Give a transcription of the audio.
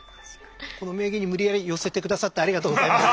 この名言に無理やり寄せて下さってありがとうございます。